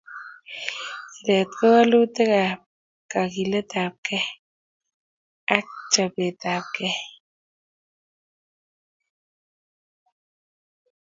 Siiret ko walutikap kakiletapkei ak chopetapkei